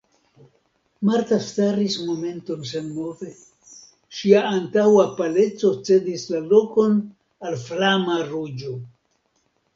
Marta staris momenton senmove, ŝia antaŭa paleco cedis la lokon al flama ruĝo.